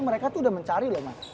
mereka tuh udah mencari loh mas